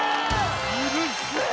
うるせえ！